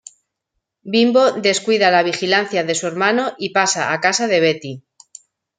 Bimbo descuida la vigilancia de su hermano y pasa a casa de Betty.